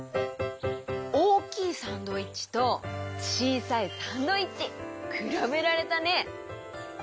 おおきいサンドイッチとちいさいサンドイッチ！くらべられたね！